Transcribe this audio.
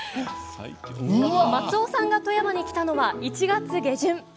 松尾さんが富山に来たのは１月下旬。